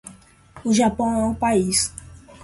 O Japão é um país.